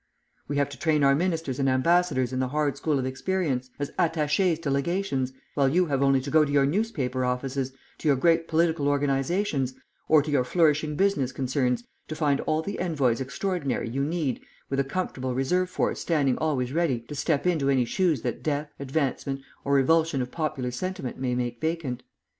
We have to train our Ministers and Ambassadors in the hard school of experience, as attachés to legations, while you have only to go to your newspaper offices, to your great political organizations, or to your flourishing business concerns to find all the Envoys Extraordinary you need with a comfortable reserve force standing always ready to step into any shoes that death, advancement, or revulsion of popular sentiment may make vacant.